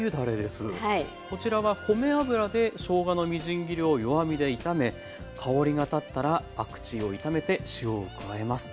こちらは米油でしょうがのみじん切りを弱火で炒め香りが立ったらパクチーを炒めて塩を加えます。